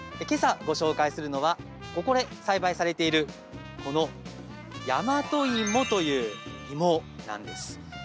けさ、ご紹介するのはここで栽培されているこの大和いもという芋なんです。